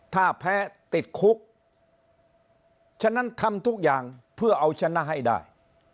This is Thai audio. ถ้าแพ้ติดคุกฉะนั้นทำทุกอย่างเพื่อเอาชนะให้ได้